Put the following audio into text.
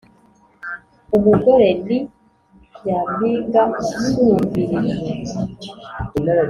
Umugore ni nyampiga isumbirije